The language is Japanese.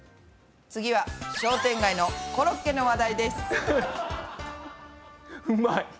次は商店街のコロッケの話題です！